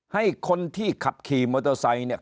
ให้คนที่ขับขี่มอเตอร์ไซค์เนี่ย